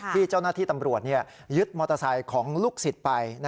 ที่เจ้าหน้าที่ตำรวจยึดมอเตอร์ไซค์ของลูกศิษย์ไป